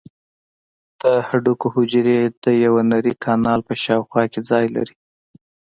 د هډوکو حجرې د یو نري کانال په شاوخوا کې ځای لري.